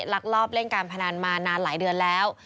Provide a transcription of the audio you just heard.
ลักลอบเล่นการพนันมานานหลายเดือนแล้ว